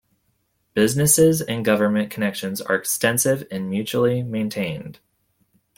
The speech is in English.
Business and government connections are extensive and mutually maintained.